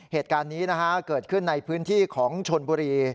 เหตุการณ์นี้เกิดขึ้นในพื้นที่ของชนบุรี